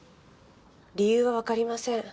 理由はわかりません。